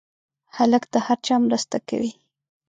هلک د هر چا مرسته کوي.